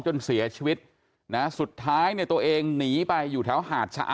จนเสียชีวิตนะสุดท้ายเนี่ยตัวเองหนีไปอยู่แถวหาดชะอะ